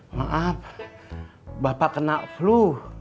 maaf bapak kena flu